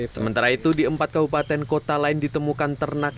sementara itu di empat kabupaten kota lain ditemukan ternak